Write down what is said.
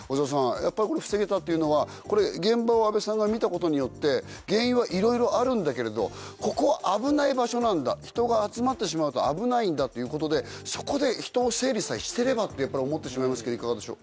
やっぱりこれ防げたっていうのはこれ現場を阿部さんが見たことによって原因はいろいろあるんだけれどここは危ない場所なんだ人が集まってしまうと危ないんだっていうことでそこで人を整理さえしてればってやっぱり思ってしまいますけどいかがでしょう？